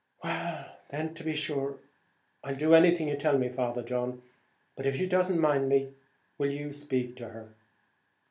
"Well, then, I'm sure, I'll do anything you tell me, Father John; but if she don't mind me, will you speak to her?"